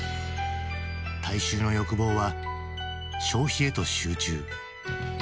大衆の欲望は消費へと集中。